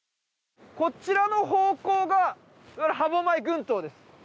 こちらの方向が歯舞群島です。